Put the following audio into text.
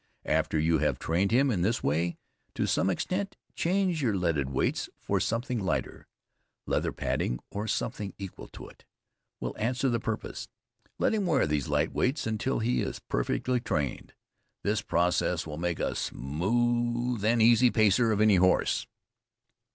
After you have trained him in this way to some extent, change your leaded weights for something lighter; leather padding, or something equal to it, will answer the purpose; let him wear these light weights until he is perfectly trained. This process will make a smooth and easy pacer of any horse.